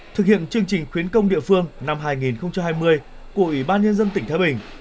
thực hiện chương trình khuyến công địa phương năm hai nghìn hai mươi của ủy ban nhân dân tỉnh thái bình